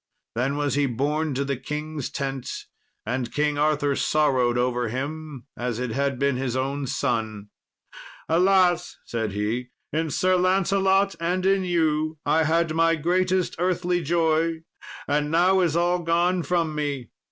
Then was he borne to the king's tent, and King Arthur sorrowed over him as it had been his own son. "Alas!" said he; "in Sir Lancelot and in you I had my greatest earthly joy, and now is all gone from me."